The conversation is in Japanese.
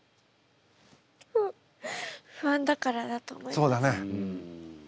不安だからだと思います。